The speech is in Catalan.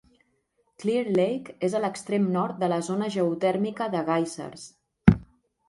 Clear Lake és a l'extrem nord de la zona geotèrmica de Geysers.